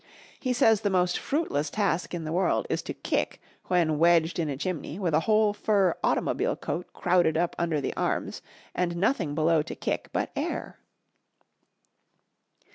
He says the most fruitless task in the world is to kick when wedged in a chimney with a whole fur automobile coat crowded up under the arms and nothing below to kick but air.